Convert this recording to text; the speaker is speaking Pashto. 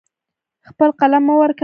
خپل قلم مه ورکوه.